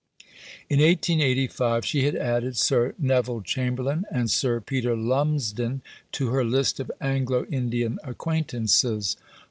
In 1885 she had added Sir Neville Chamberlain and Sir Peter Lumsden to her list of Anglo Indian acquaintances.